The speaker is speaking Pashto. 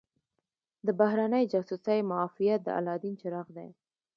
د بهرنۍ جاسوسۍ معافیت د الله دین چراغ دی.